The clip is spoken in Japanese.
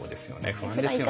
不安ですよね。